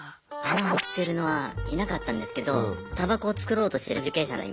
穴掘ってるのはいなかったんですけどたばこを作ろうとしてる受刑者がいました。